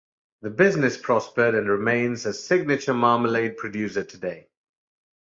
The business prospered, and remains a signature marmalade producer today.